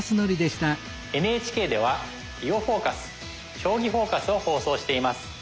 ＮＨＫでは「囲碁フォーカス」「将棋フォーカス」を放送しています。